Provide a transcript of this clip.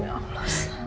ya allah salam